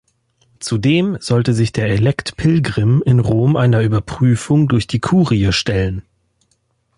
Zudem sollte sich der Elekt Pilgrim in Rom einer Überprüfung durch die Kurie stellen.